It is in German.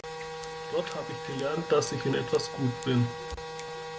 Dort habe ich gelernt, dass ich in etwas gut bin.